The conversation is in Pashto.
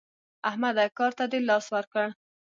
احمده کار ته دې لاس ورکړ؟